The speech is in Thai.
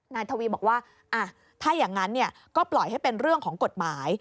นายทวีบอกว่าถ้าอย่างนั้นก็ปล่อยให้เป็นเรื่องของกฎหมาย